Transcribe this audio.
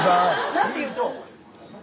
・何て言うと？